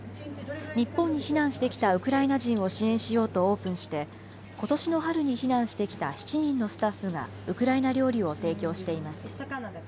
日本に避難してきたウクライナ人を支援しようとオープンして、ことしの春に避難してきた７人のスタッフがウクライナ料理を提供しています。